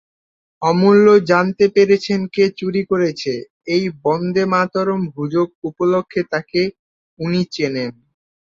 অমূল্য জানতে পেরেছেন কে চুরি করেছে, এই বন্দেমাতরমের হুজুক উপলক্ষে তাকে উনি চেনেন।